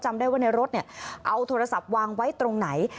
จำได้ว่าในรถเอาโทรศัพท์วางไว้ตรงไหน